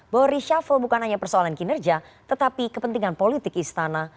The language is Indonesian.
bahwa reshuffle bukan hanya persoalan kinerja tetapi kepentingan politik istana